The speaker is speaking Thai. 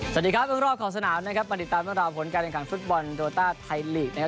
สวัสดีครับวิวรอบขอสนามนะครับมาติดตามราวพลการียงขันฟลูกบอลโดรต้าไทยลีกนะครับ